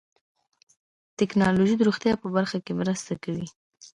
ټکنالوجي د روغتیا په برخه کې مرسته کوي.